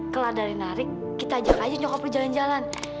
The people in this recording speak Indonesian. kelar dari nari kita ajak aja nyokap lu jalan jalan